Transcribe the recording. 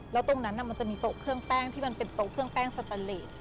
แล้วตรงนั้นมันจะมีโต๊ะเครื่องแป้งที่มันเป็นโต๊ะเครื่องแป้งสตาเลส